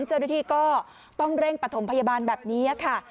เจ้าหน้าที่ก็ต้องเร่งปฐมพยาบาลแบบนี้ค่ะ